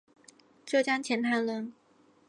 浙江钱塘人。